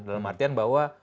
dalam artian bahwa